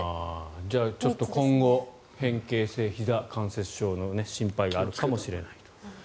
じゃあちょっと今後変形性ひざ関節症の心配があるかもしれないと。